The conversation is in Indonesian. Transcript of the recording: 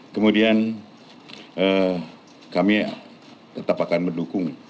kemudian kami tetap akan mendukung